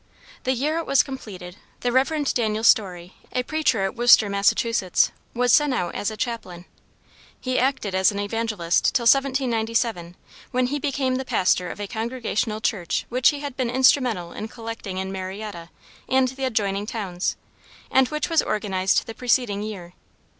The year it was completed, the Rev. Daniel Storey, a preacher at Worcester, Massachusetts, was sent out as a chaplain. He acted as an evangelist till 1797, when he became the pastor of a Congregational church which he had been instrumental in collecting in Marietta and the adjoining towns, and which was organized the preceding year.